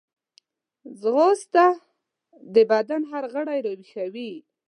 ځغاسته د بدن هر غړی راویښوي